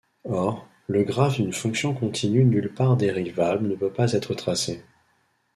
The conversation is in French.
Or, le graphe d'une fonction continue nulle part dérivable ne peut pas être tracé.